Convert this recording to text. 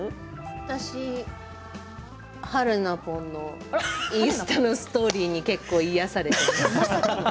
私、はるなぽんのインスタのストーリーに癒やされています。